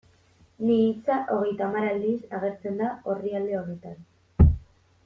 Ni hitza hogeita hamar aldiz agertzen da orrialde honetan.